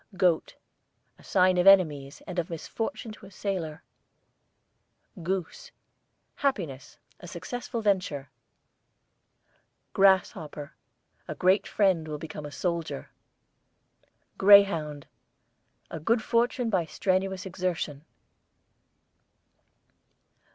GOAT, a sign of enemies, and of misfortune to a sailor. GOOSE, happiness; a successful venture. GRASSHOPPER, a great friend will become a soldier. GREYHOUND, a good fortune by strenuous exertion.